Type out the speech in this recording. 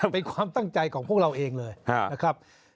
เป็นความตั้งใจของพวกเราเองเลยนะครับ